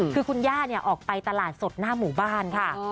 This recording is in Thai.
คือคุณย่าออกไปตลาดสดหน้าหมู่บ้านค่ะ